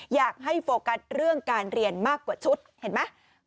อยากให้โฟกัสเรื่องการเรียนมากกว่าชุดเห็นไหม